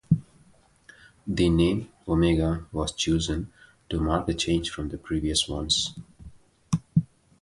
The name omega was chosen to mark a change from the previous ones.